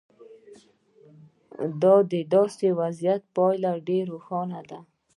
د داسې وضعیت پایله ډېره روښانه ده.